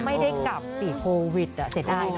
ไม่ได้กลับติดโควิดอ่ะเสียดายเนอะ